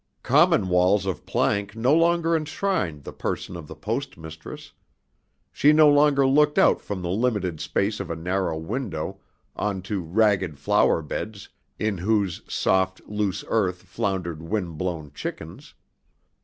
Common walls of plank no longer enshrined the person of the Post Mistress. She no longer looked out from the limited space of a narrow window onto ragged flower beds in whose soft, loose earth floundered wind blown chickens.